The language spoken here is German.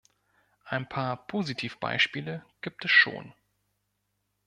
Ein paar Positiv-Beispiele gibt es schon.